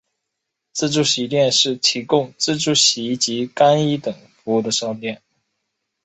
自助洗衣店是提供自助洗衣及干衣等服务的商店。